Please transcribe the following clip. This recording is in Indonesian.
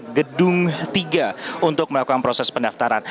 di gedung tiga untuk melakukan proses pendaftaran